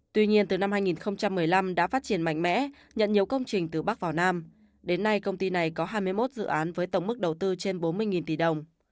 tuy nhiên từ năm hai nghìn một mươi năm đã phát triển mạnh mẽ nhận nhiều công trình từ bắc vào nam đến nay công ty này có hai mươi một dự án với tổng mức đầu tư trên bốn mươi tỷ đồng